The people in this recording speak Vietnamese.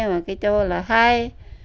mà cái chỗ là hay